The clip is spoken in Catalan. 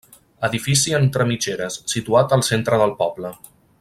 Edifici entre mitgeres, situat al centre del poble.